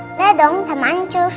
sudah dong sama ancus